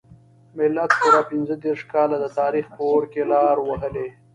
ملت پوره پنځه دیرش کاله د تاریخ په اور کې لار وهلې.